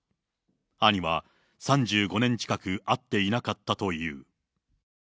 兄は３５年近く、会っていなかったという。